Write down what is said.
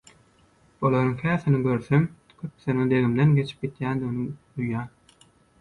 Olaryň käsini görsem, köpüsiniň deňimden geçip gidýändigimi duýýan.